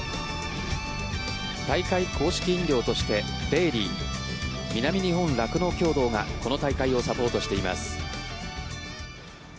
大会公式飲料としてデーリィ南日本酪農協同がこの大会をサポートしています。